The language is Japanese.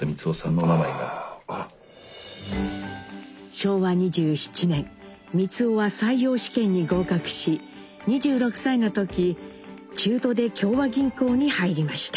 昭和２７年光男は採用試験に合格し２６歳の時中途で協和銀行に入りました。